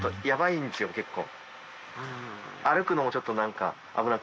結構。